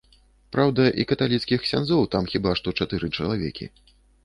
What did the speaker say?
Праўда, і каталіцкіх ксяндзоў там хіба што чатыры чалавекі.